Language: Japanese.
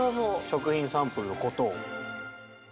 食品サンプルのことを。